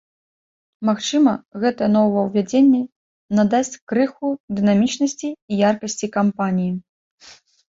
Магчыма, гэтае новаўвядзенне надасць крыху дынамічнасці і яркасці кампаніі.